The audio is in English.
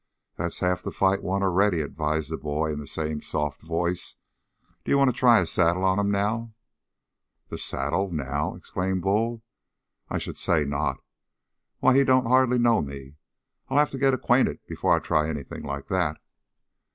"That's half the fight won already," advised the boy in the same soft voice. "D'you want to try the saddle on him now?" "The saddle? Now?" exclaimed Bull. "I should say not! Why, he don't hardly know me; I'll have to get acquainted before I try anything like that."